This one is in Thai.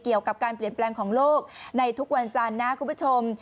เกี่ยวกับการเปลี่ยนแปลงของโลกในทุกวันจันทร์นะคุณผู้ชม